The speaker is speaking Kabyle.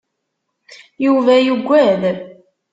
Yuba yugad.